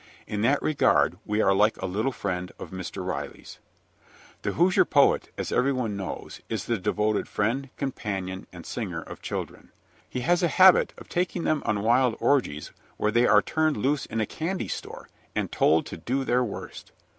In that regard we are like a little friend of Mr. Riley's. The Hoosier poet, as everyone knows, is the devoted friend, companion, and singer of children. He has a habit of taking them on wild orgies where they are turned loose in a candy store and told to do their worst.